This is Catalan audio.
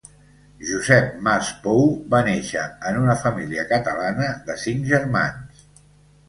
Josep Mas Pou, va néixer en una família catalana de cinc germans.